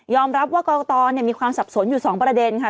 ยอมรับว่ากตเนี่ยมีความสับสนอยู่สองประเด็นค่ะ